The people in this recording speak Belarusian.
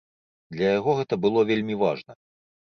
Для яго гэта было вельмі важна.